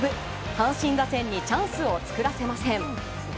阪神打線にチャンスを作らせません。